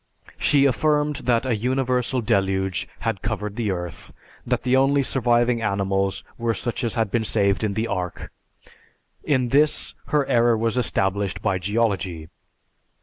She affirmed that a universal deluge had covered the earth; that the only surviving animals were such as had been saved in the Ark. In this, her error was established by geology.